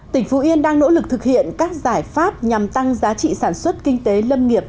tỉnh phú yên đang nỗ lực thực hiện các giải pháp nhằm tăng giá trị sản xuất kinh tế lâm nghiệp